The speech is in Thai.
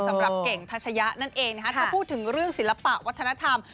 สำหรับเก่งทัชยะนั่นเองนะคะถ้าพูดถึงเรื่องศิลปะวัฒนธรรม